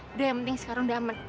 udah yang penting sekarang udah aman